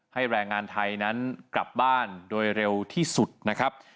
แรงงานไทยนั้นกลับบ้านโดยเร็วที่สุดนะครับ